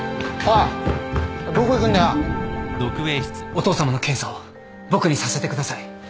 お父さまの検査を僕にさせてください。